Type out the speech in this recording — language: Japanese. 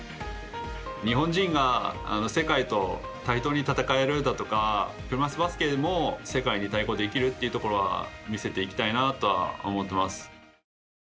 日本人が世界と対等に戦えるだとか車いすバスケでも世界に対抗できるところは見せていきたいなとは思っています。